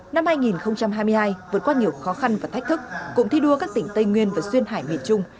năm hai nghìn hai mươi hai vượt qua nhiều khó khăn và thách thức cụm thi đua các tỉnh tây nguyên và duyên hải miền trung